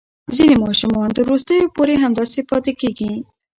ځینې ماشومان تر وروستیو پورې همداسې پاتې کېږي.